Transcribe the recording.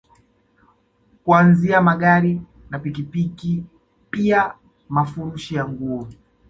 Kuanzia Magari na pikipiki pia mafurushi ya nguo